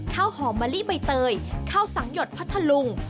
ข้าวหอมมะลิใบเตยข้าวสังหยดพัทธลุง